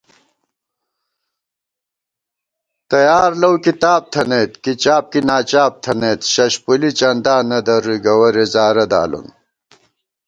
تیار لَؤ کِتاب تھنَئیت ، کی چاپ کی ناچاپ تھنَئیتشَشپُولی چندا نہ درُوئی ،گوَرے زارہ دالون